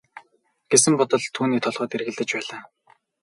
гэсэн бодол түүний толгойд эргэлдэж байлаа.